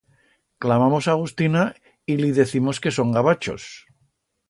Clamamos a Agustina y li decimos que son gavachos.